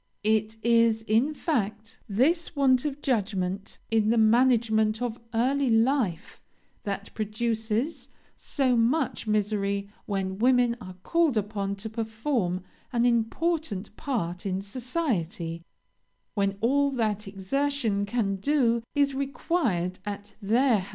'[B] It is, in fact, this want of judgment in the management of early life that produces so much misery when women are called upon to perform an important part in society, and when all that exertion can do is required at their hands.